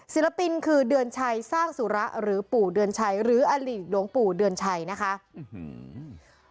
ศิลปินคือเดือนชัยสร้างสุระหรือปู่เดือนชัยหรืออลิหลวงปู่เดือนชัยนะคะอื้อหือ